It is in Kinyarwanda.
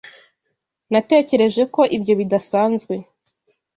Natekereje ko ibyo bidasanzwe.